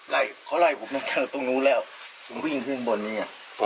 ไล่เขาไล่ตรงนู้นแล้วขึ้นขึ้นบนเนี่ย